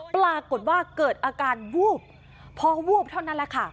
ปรากฏว่าเกิดอาการวูบพอวูบเท่านั้นแหละค่ะ